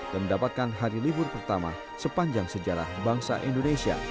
dan mendapatkan hari libur pertama sepanjang sejarah bangsa indonesia